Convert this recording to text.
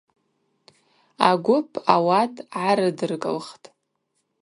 Агвып ауат гӏарыдыркӏылхтӏ.